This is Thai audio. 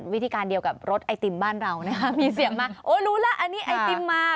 วิธีการเดียวกับรถไอติมบ้านเรานะคะมีเสียงมาโอ้รู้แล้วอันนี้ไอติมมา